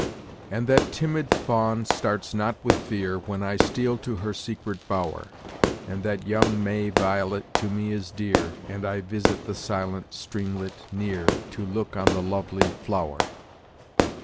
"And that timid fawn starts not with fear, When I steal to her secret bower; And that young May violet to me is dear, And I visit the silent streamlet near, To look on the lovely flower."